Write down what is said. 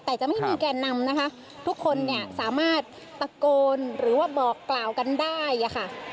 แต่จะไม่มีแกนนำนะคะทุกคนเนี่ยสามารถตะโกนหรือว่าบอกกล่าวกันได้อะค่ะ